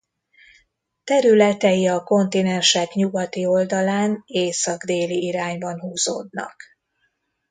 Területei a kontinensek nyugati oldalán észak-déli irányban húzódnak.